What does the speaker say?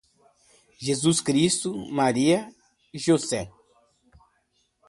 Jesus Cristo, Maria, José